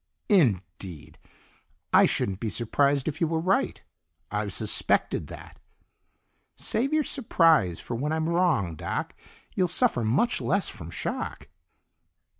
"Indeed? I shouldn't be surprised if you were right; I've suspected that." "Save your surprise for when I'm wrong, Doc. You'll suffer much less from shock."